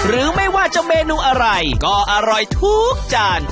หรือว่าเมนูอะไรก็อร่อยทุกจาน